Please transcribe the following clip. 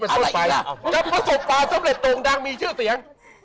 ก็ประสบปลาสำเร็จดวงดังมีชื่อเสียง